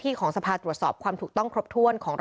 ทางคุณชัยธวัดก็บอกว่าการยื่นเรื่องแก้ไขมาตรวจสองเจน